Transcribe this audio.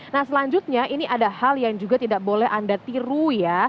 nah selanjutnya ini ada hal yang juga tidak boleh anda tiru ya